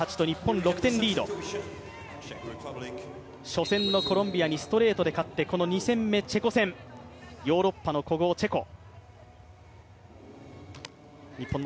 初戦のコロンビアにストレートで勝って、この２戦目、チェコ戦、ヨーロッパの古豪、チェコ。